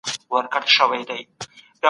د دورکهايم پيغام يووالي و.